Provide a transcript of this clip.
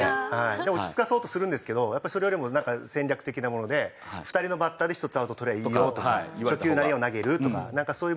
落ち着かそうとするんですけどやっぱりそれよりもなんか戦略的なもので２人のバッターで１つアウトとりゃいいよとか初球何を投げるとかなんかそういうものの方がいいですよね